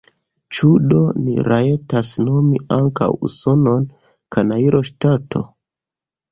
Ĉu do ni rajtas nomi ankaŭ Usonon kanajloŝtato?